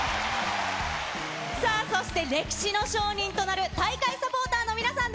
さあ、そして歴史の証人となる大会サポーターの皆さん